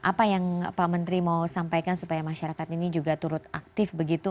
apa yang pak menteri mau sampaikan supaya masyarakat ini juga turut aktif begitu